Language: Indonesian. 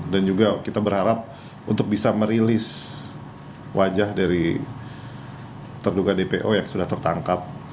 dan juga kita berharap untuk bisa merilis wajah dari terduga dpo yang sudah tertangkap